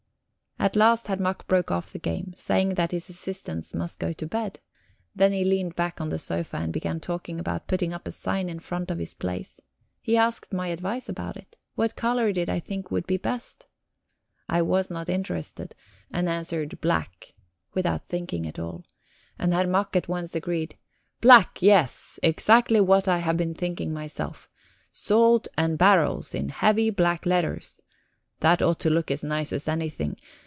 At last Herr Mack broke off the game, saying that his assistants must go to bed; then he leaned back on the sofa and began talking about putting up a sign in front of his place. He asked my advice about it. What colour did I think would be best? I was not interested, and answered "black," without thinking at all. And Herr Mack at once agreed: "Black, yes exactly what I had been thinking myself. 'Salt and barrels' in heavy black letters that ought to look as nice as anything...